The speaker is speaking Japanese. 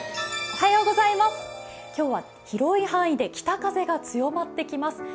今日は広い範囲で北風が強まってきます。